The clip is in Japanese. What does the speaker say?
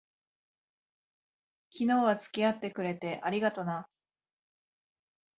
昨日は付き合ってくれて、ありがとな。